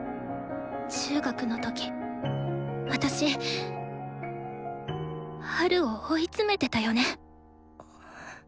中学の時私ハルを追い詰めてたよね。